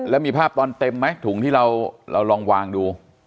แล้วมีภาพตอนเต็มไหมถุงที่เราลองวางดู